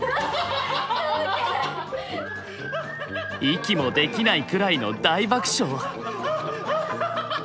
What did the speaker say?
息もできないくらいの大爆笑。